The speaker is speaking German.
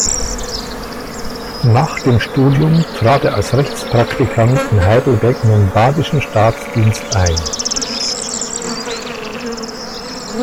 Nach dem Studium trat er als Rechtspraktikant in Heidelberg in den badischen Staatsdienst ein.